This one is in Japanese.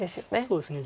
そうですね。